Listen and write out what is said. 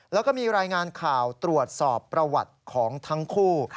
แล้วก็มีรายงานข่าวตรวจสอบประวัติของทั้งคู่